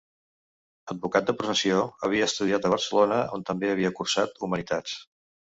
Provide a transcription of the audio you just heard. Advocat de professió, havia estudiat a Barcelona, on també havia cursat humanitats.